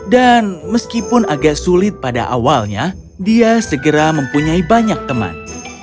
dan meskipun agak sulit pada awalnya dia segera mempunyai banyak teman